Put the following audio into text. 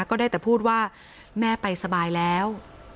ก็ได้แต่พูดว่าแม่ไปสบายแล้ว